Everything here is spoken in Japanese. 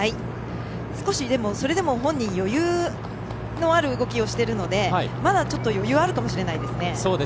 少し、それでも本人余裕のある動きをしてるのでまだちょっと余裕あるかもしれないです。